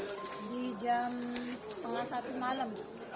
di jam setengah satu malam